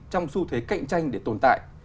trong xu thế cạnh tranh để tồn tại